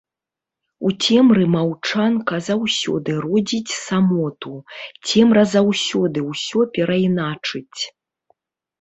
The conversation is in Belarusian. У цемры маўчанка заўсёды родзіць самоту, цемра заўсёды ўсё перайначыць.